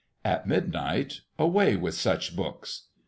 At midnight, away with such books!